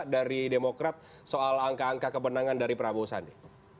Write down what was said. dari demokrat soal angka angka kemenangan dari prabowo sandi